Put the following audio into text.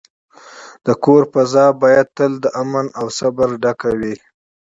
د کور فضا باید تل د امن او صبر ډکه وي.